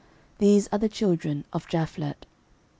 These are the children of Japhlet.